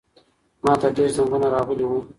ماته ډېر زنګونه راغلي وو.